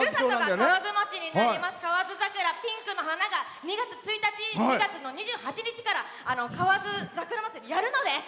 河津桜、ピンクの花が２月１日、２月２８日から河津桜祭りやるので！